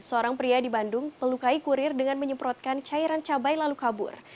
seorang pria di bandung pelukai kurir dengan menyemprotkan cairan cabai lalu kabur